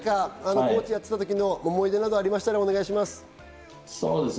何かコーチをやっていた時の思い出とかありましたらお願いします。